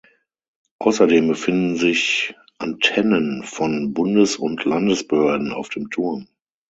Außerdem befinden sich Antennen von Bundes- und Landesbehörden auf dem Turm.